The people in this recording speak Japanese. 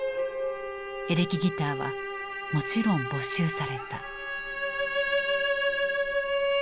エレキギターはもちろん没収された。